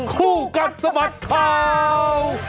คู่กัดสะบัดข่าว